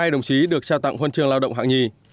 hai đồng chí được trao tặng huân trường lao động hạng nhì